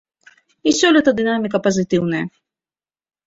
І сёлета дынаміка пазітыўная.